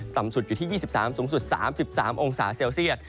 สุดอยู่ที่๒๓สูงสุด๓๓องศาเซลเซียต